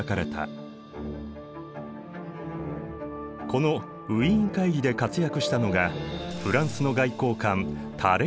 このウィーン会議で活躍したのがフランスの外交官タレーランだ。